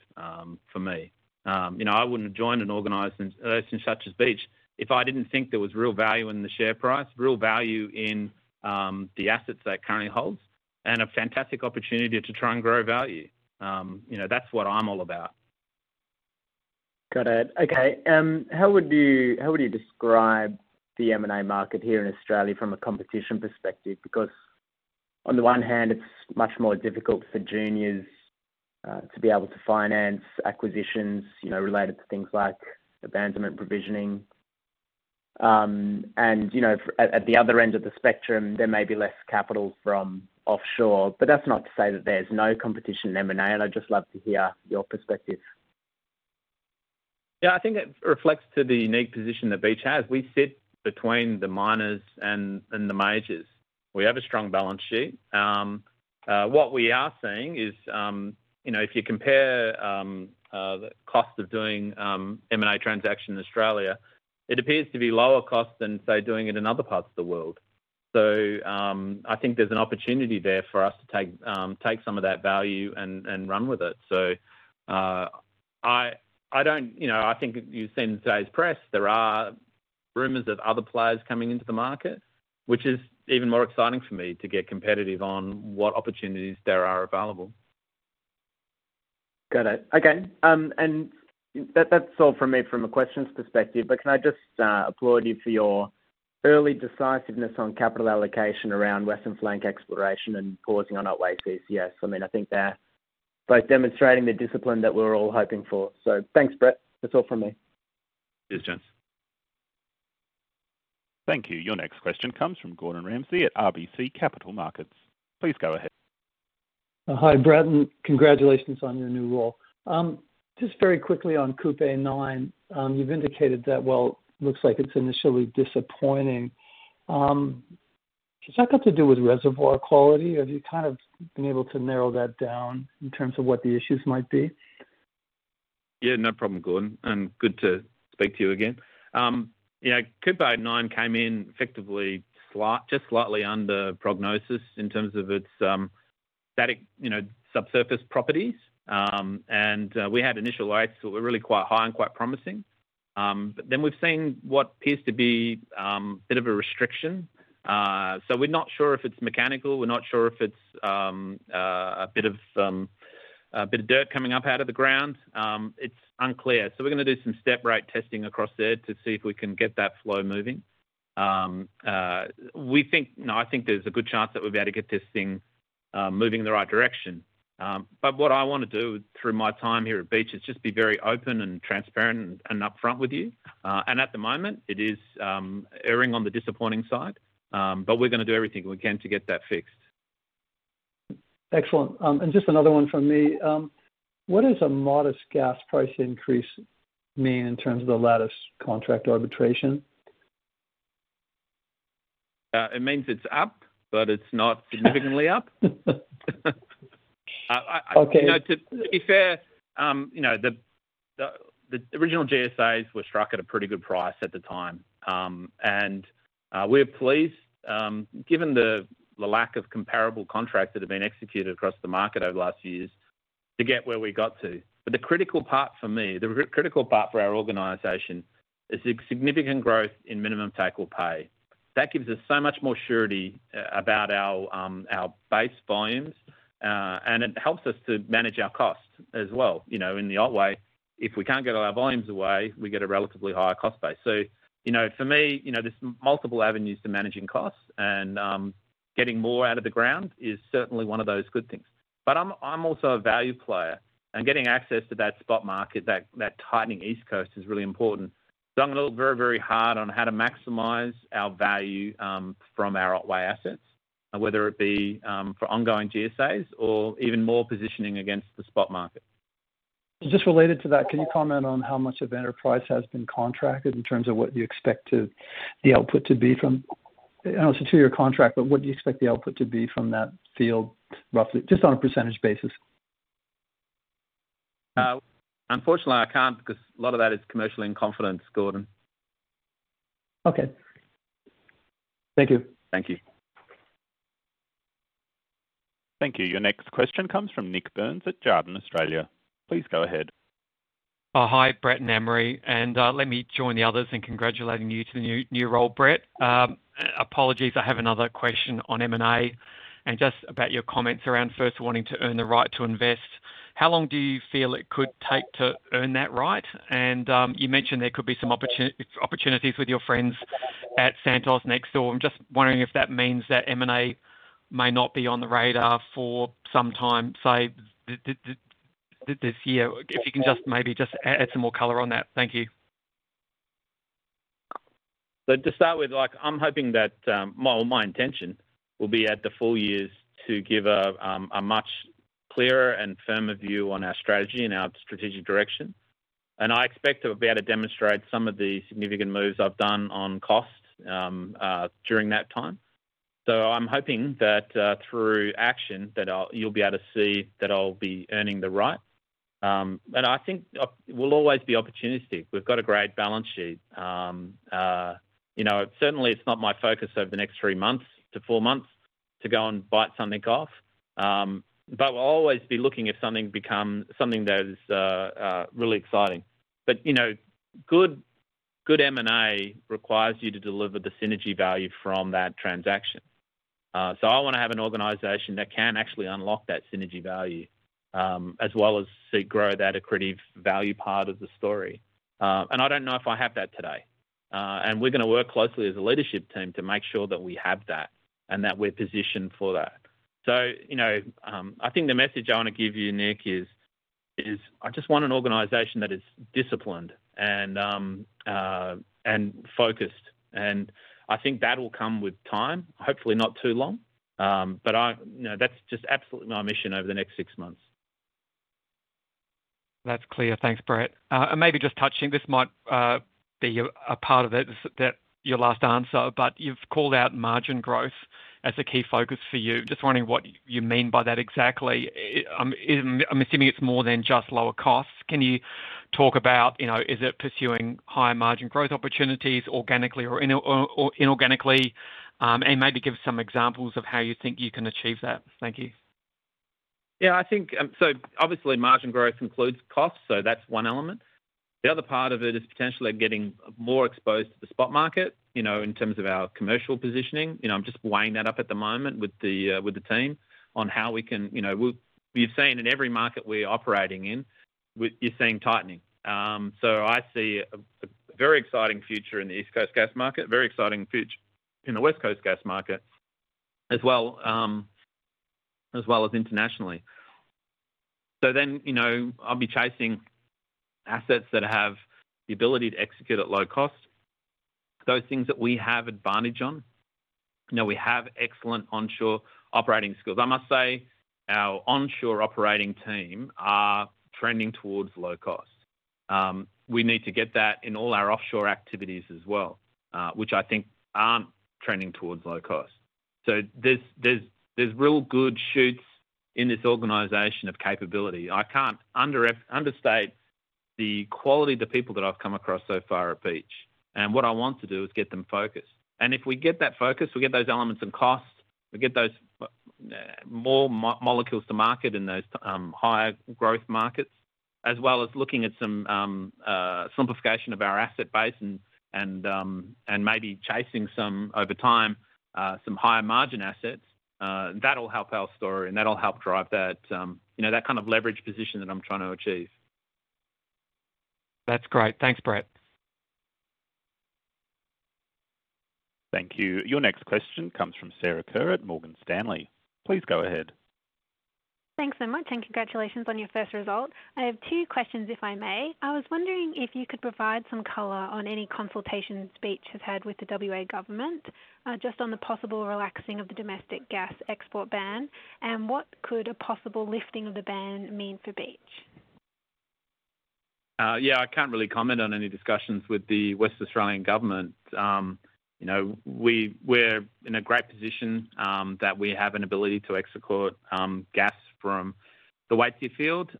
for me. I wouldn't have joined an organization such as Beach if I didn't think there was real value in the share price, real value in the assets that it currently holds, and a fantastic opportunity to try and grow value. That's what I'm all about.
Got it. Okay. How would you describe the M&A market here in Australia from a competition perspective? Because on the one hand, it's much more difficult for juniors to be able to finance acquisitions related to things like abandonment provisioning. At the other end of the spectrum, there may be less capital from offshore. That's not to say that there's no competition in M&A. I'd just love to hear your perspective.
Yeah. I think it reflects the unique position that Beach has. We sit between the miners and the majors. We have a strong balance sheet. What we are seeing is if you compare the cost of doing M&A transaction in Australia, it appears to be lower cost than, say, doing it in other parts of the world. So I think there's an opportunity there for us to take some of that value and run with it. So I don't I think you've seen in today's press, there are rumors of other players coming into the market which is even more exciting for me to get competitive on what opportunities there are available.
Got it. Okay. And that's all from me from a questions perspective. But can I just applaud you for your early decisiveness on capital allocation around Western Flank exploration and pausing on our Waitsia? Yes. I mean, I think they're both demonstrating the discipline that we're all hoping for. So thanks, Brett. That's all from me.
Cheers, James.
Thank you. Your next question comes from Gordon Ramsay at RBC Capital Markets. Please go ahead.
Hi, Brett. And congratulations on your new role. Just very quickly on Kupe South 9, you've indicated that, well, it looks like it's initially disappointing. Has that got to do with reservoir quality? Have you kind of been able to narrow that down in terms of what the issues might be?
Yeah. No problem, Gordon. And good to speak to you again. Kupe South 9 came in effectively just slightly under prognosis in terms of its static subsurface properties. And we had initial rates that were really quite high and quite promising. But then we've seen what appears to be a bit of a restriction. So we're not sure if it's mechanical. We're not sure if it's a bit of dirt coming up out of the ground. It's unclear. So we're going to do some step rate testing across there to see if we can get that flow moving. I think there's a good chance that we'll be able to get this thing moving in the right direction. But what I want to do through my time here at Beach is just be very open and transparent and upfront with you. And at the moment, it is erring on the disappointing side. But we're going to do everything we can to get that fixed.
Excellent. And just another one from me. What does a modest gas price increase mean in terms of the Lattice contract arbitration?
It means it's up but it's not significantly up. To be fair, the original GSAs were struck at a pretty good price at the time. We're pleased, given the lack of comparable contracts that have been executed across the market over the last years, to get where we got to. But the critical part for me, the critical part for our organization is significant growth in minimum take-or-pay. That gives us so much more surety about our base volumes. And it helps us to manage our costs as well. In the old way, if we can't get all our volumes away, we get a relatively higher cost base. So for me, there's multiple avenues to managing costs. And getting more out of the ground is certainly one of those good things. But I'm also a value player. And getting access to that spot market, that tightening East Coast, is really important. So I'm going to look very, very hard on how to maximize our value from our Otway assets, whether it be for ongoing GSAs or even more positioning against the spot market.
Just related to that, can you comment on how much of Enterprise has been contracted in terms of what you expect the output to be from? I don't know if it's a two-year contract, but what do you expect the output to be from that field roughly, just on a percentage basis?
Unfortunately, I can't because a lot of that is commercial in confidence, Gordon.
Okay. Thank you.
Thank you.
Thank you. Your next question comes from Nik Burns at Jarden Australia. Please go ahead.
Hi, Brett and Anne-Marie. Let me join the others in congratulating you to the new role, Brett. Apologies. I have another question on M&A and just about your comments around first wanting to earn the right to invest. How long do you feel it could take to earn that right? And you mentioned there could be some opportunities with your friends at Santos next door. I'm just wondering if that means that M&A may not be on the radar for some time, say, this year. If you can maybe just add some more color on that. Thank you.
So to start with, I'm hoping that my intention will be at the full years to give a much clearer and firmer view on our strategy and our strategic direction. And I expect to be able to demonstrate some of the significant moves I've done on costs during that time. So I'm hoping that through action, that you'll be able to see that I'll be earning the right. I think we'll always be opportunistic. We've got a great balance sheet. Certainly, it's not my focus over the next three months to four months to go and bite something off. But we'll always be looking if something becomes something that is really exciting. But good M&A requires you to deliver the synergy value from that transaction. So I want to have an organization that can actually unlock that synergy value as well as seek grow that accretive value part of the story. And I don't know if I have that today. And we're going to work closely as a leadership team to make sure that we have that and that we're positioned for that. So I think the message I want to give you, Nick, is I just want an organization that is disciplined and focused. And I think that will come with time, hopefully not too long. But that's just absolutely my mission over the next six months.
That's clear. Thanks, Brett. And maybe just touching, this might be a part of your last answer, but you've called out margin growth as a key focus for you. Just wondering what you mean by that exactly. I'm assuming it's more than just lower costs. Can you talk about is it pursuing higher margin growth opportunities organically or inorganically? And maybe give some examples of how you think you can achieve that. Thank you.
Yeah. So obviously, margin growth includes costs. So that's one element. The other part of it is potentially getting more exposed to the spot market in terms of our commercial positioning. I'm just weighing that up at the moment with the team on how we can. You've seen in every market we're operating in, you're seeing tightening. So I see a very exciting future in the East Coast gas market, very exciting future in the West Coast gas market as well as internationally. So then I'll be chasing assets that have the ability to execute at low cost, those things that we have advantage on. We have excellent onshore operating skills. I must say our onshore operating team are trending towards low cost. We need to get that in all our offshore activities as well which I think aren't trending towards low cost. So there's real good shoots in this organization of capability. I can't understate the quality of the people that I've come across so far at Beach. What I want to do is get them focused. If we get that focus, we get those elements in cost, we get those more molecules to market in those higher growth markets as well as looking at some simplification of our asset base and maybe chasing some over time, some higher margin assets, that'll help our story and that'll help drive that kind of leverage position that I'm trying to achieve.
That's great. Thanks, Brett.
Thank you. Your next question comes from Sarah Kerr, Morgan Stanley. Please go ahead.
Thanks so much. Congratulations on your first result. I have two questions if I may. I was wondering if you could provide some color on any consultations Beach has had with the WA government just on the possible relaxing of the domestic gas export ban. And what could a possible lifting of the ban mean for Beach?
Yeah. I can't really comment on any discussions with the Western Australian government. We're in a great position that we have an ability to export gas from the Waitsia field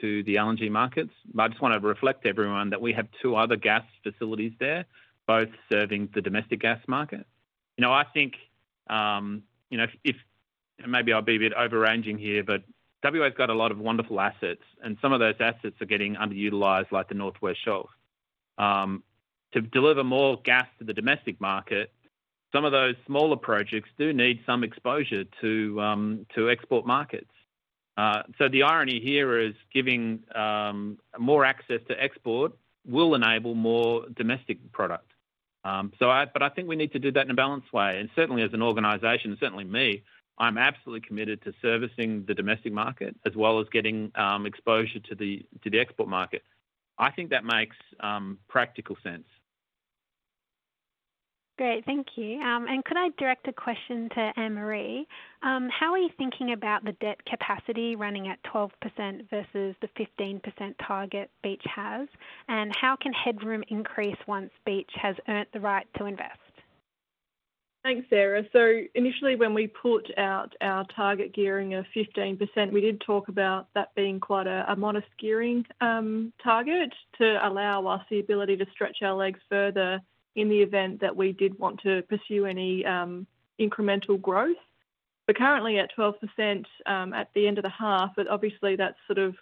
to the LNG markets. But I just want to reflect to everyone that we have two other gas facilities there both serving the domestic gas market. I think if and maybe I'll be a bit over-ranging here, but WA's got a lot of wonderful assets. And some of those assets are getting underutilized like the North West Shelf. To deliver more gas to the domestic market, some of those smaller projects do need some exposure to export markets. So the irony here is giving more access to export will enable more domestic product. But I think we need to do that in a balanced way. And certainly, as an organization, certainly me, I'm absolutely committed to servicing the domestic market as well as getting exposure to the export market. I think that makes practical sense.
Great. Thank you. And could I direct a question to Anne-Marie? How are you thinking about the debt capacity running at 12% versus the 15% target Beach has? And how can headroom increase once Beach has earned the right to invest?
Thanks, Sarah. So initially, when we put out our target gearing of 15%, we did talk about that being quite a modest gearing target to allow us the ability to stretch our legs further in the event that we did want to pursue any incremental growth. But currently, at 12% at the end of the half, obviously, that's sort of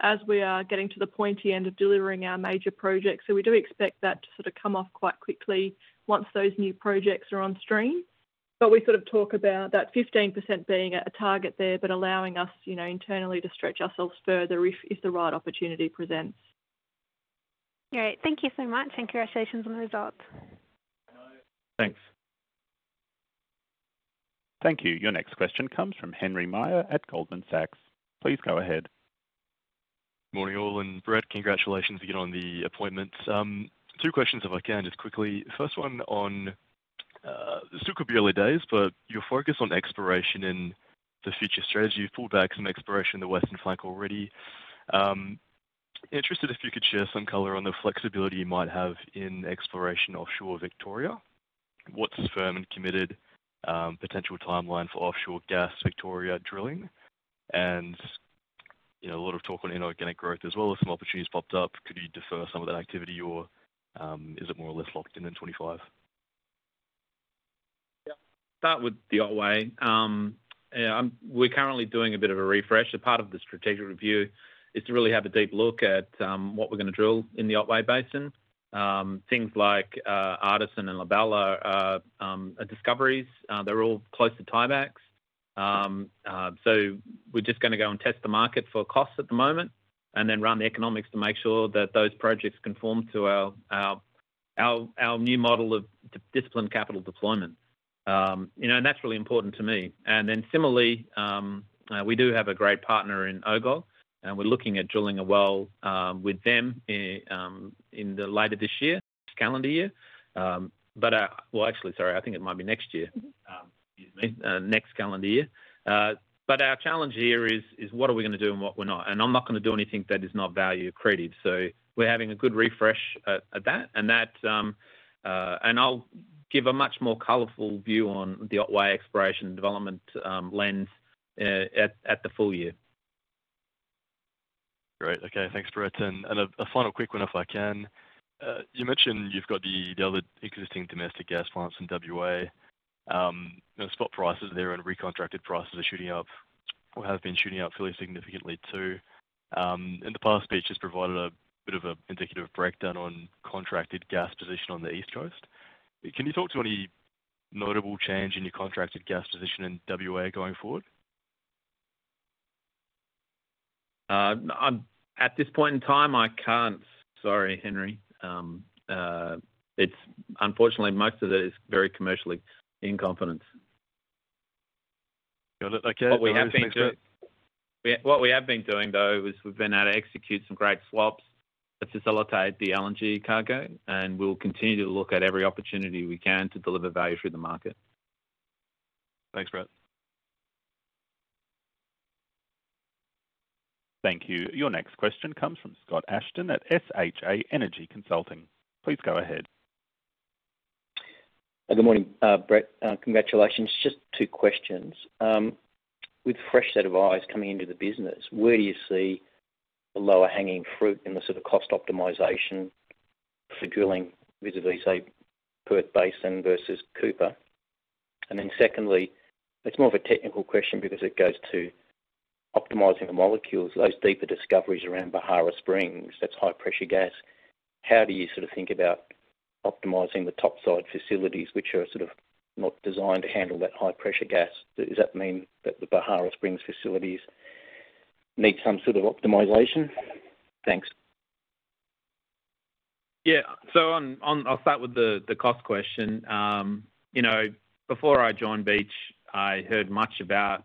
as we are getting to the pointy end of delivering our major projects. So we do expect that to sort of come off quite quickly once those new projects are on stream. But we sort of talk about that 15% being a target there but allowing us internally to stretch ourselves further if the right opportunity presents.
Great. Thank you so much. And congratulations on the result.
Thanks.
Thank you. Your next question comes from Henry Meyer at Goldman Sachs. Please go ahead.
Morning, all. And Brett, congratulations again on the appointment. Two questions if I can just quickly. First one on still could be early days, but your focus on exploration in the future strategy. You've pulled back some exploration in the Western Flank already. Interested if you could share some color on the flexibility you might have in exploration offshore Victoria. What's firm and committed potential timeline for offshore gas Victoria drilling? And a lot of talk on inorganic growth as well as some opportunities popped up. Could you defer some of that activity or is it more or less locked in in 2025?
Yeah. Start with the Otway. We're currently doing a bit of a refresh. A part of the strategic review is to really have a deep look at what we're going to drill in the Otway Basin. Things like Artisan and La Bella are discoveries. They're all close to tie-ins. So we're just going to go and test the market for costs at the moment and then run the economics to make sure that those projects conform to our new model of disciplined capital deployment. And that's really important to me. And then similarly, we do have a great partner in the Kupe. And we're looking at drilling a well with them later this year. Calendar year. Well, actually, sorry. I think it might be next year. Excuse me. Next calendar year. But our challenge here is what are we going to do and what we're not? And I'm not going to do anything that is not value creative. So we're having a good refresh at that. And I'll give a much more colourful view on the Otway exploration development lens at the full year.
Great. Okay. Thanks, Brett. And a final quick one if I can. You mentioned you've got the other existing domestic gas plants in WA. Spot prices there and recontracted prices are shooting up or have been shooting up fairly significantly too. In the past, Beach has provided a bit of an indicative breakdown on contracted gas position on the East Coast. Can you talk to any notable change in your contracted gas position in WA going forward?
At this point in time, I can't. Sorry, Henry. Unfortunately, most of it is very commercially in confidence.
Got it. Okay.
What we have been doing, though, is we've been able to execute some great swaps to facilitate the LNG cargo. And we'll continue to look at every opportunity we can to deliver value through the market.
Thanks, Brett.
Thank you. Your next question comes from Scott Ashton at SHA Energy Consulting. Please go ahead.
Good morning, Brett. Congratulations. Just two questions. With a fresh set of eyes coming into the business, where do you see the low-hanging fruit in the sort of cost optimization for drilling, activity, say, Perth Basin versus Cooper? And then secondly, it's more of a technical question because it goes to optimizing the molecules, those deeper discoveries around Beharra Springs. That's high-pressure gas. How do you sort of think about optimizing the topside facilities which are sort of not designed to handle that high-pressure gas? Does that mean that the Beharra Springs facilities need some sort of optimization? Thanks.
Yeah. So I'll start with the cost question. Before I joined Beach, I heard much about,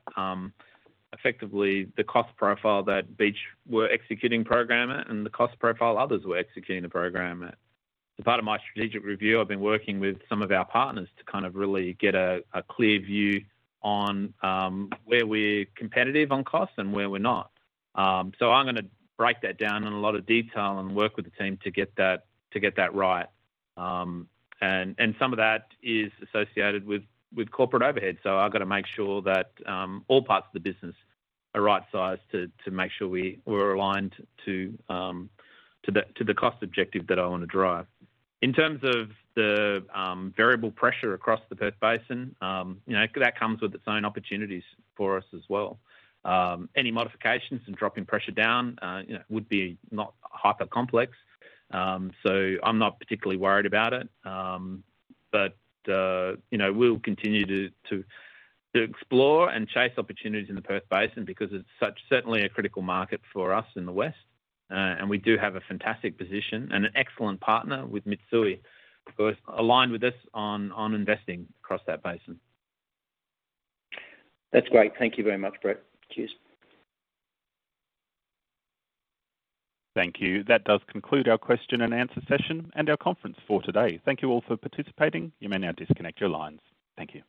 effectively, the cost profile that Beach were executing program at and the cost profile others were executing the program at. As part of my strategic review, I've been working with some of our partners to kind of really get a clear view on where we're competitive on cost and where we're not. So I'm going to break that down in a lot of detail and work with the team to get that right. And some of that is associated with corporate overhead. So I've got to make sure that all parts of the business are right-sized to make sure we're aligned to the cost objective that I want to drive. In terms of the variable pressure across the Perth Basin, that comes with its own opportunities for us as well. Any modifications and dropping pressure down would be not hyper-complex. So I'm not particularly worried about it. But we'll continue to explore and chase opportunities in the Perth Basin because it's certainly a critical market for us in the west. And we do have a fantastic position and an excellent partner with Mitsui who are aligned with us on investing across that basin.
That's great. Thank you very much, Brett. Cheers.
Thank you. That does conclude our question-and-answer session and our conference for today. Thank you all for participating. You may now disconnect your lines. Thank you.